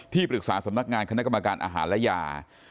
ปรึกษาสำนักงานคณะกรรมการอาหารและยา